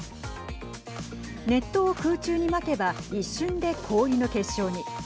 熱湯を空中にまけば一瞬で氷の結晶に。